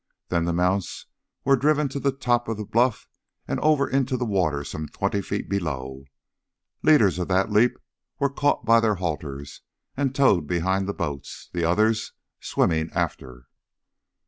Then the mounts were driven to the top of the bluff and over into the water some twenty feet below. Leaders of that leap were caught by their halters and towed behind the boats, the others swimming after.